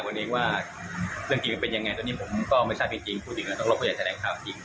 เรื่องจริงเป็นยังไงตอนนี้ผมก็ไม่ทราบจริง